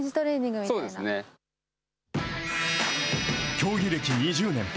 競技歴２０年。